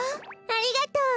ありがとう！